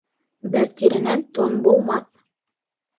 Бер тиренән тун булмаҫ.